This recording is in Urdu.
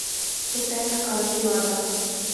حسین حقانی کی واردات